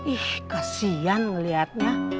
ih kesian ngeliatnya